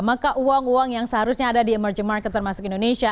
maka uang uang yang seharusnya ada di emerging market termasuk indonesia